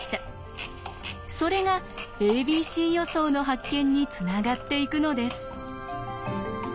それが「ａｂｃ予想」の発見につながっていくのです。